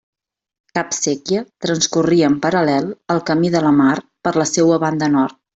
Cap séquia transcorria en paral·lel al camí de la Mar per la seua banda nord.